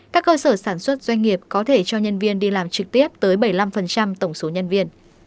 các cơ sở sản xuất doanh nghiệp có thể cho nhân viên đi làm trực tiếp tới bảy mươi năm tổng số nhân viên